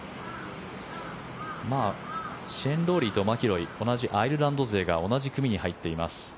シェーン・ロウリーとマキロイ同じアイルランド勢が同じ組に入っています。